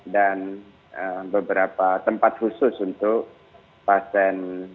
dan beberapa tempat khusus untuk pasien bdp